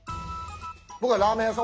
僕はラーメン屋さん。